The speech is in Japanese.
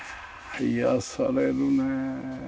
癒やされるね。